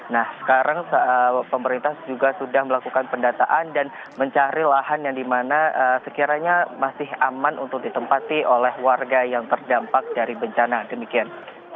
nah sekarang pemerintah juga sudah melakukan pendataan dan mencari lahan yang dimana sekiranya masih aman untuk ditempati oleh warga yang terdampak dari bencana demikian